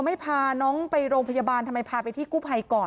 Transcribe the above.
ไม่พาน้องไปโรงพยาบาลทำไมพาไปที่กู้ภัยก่อน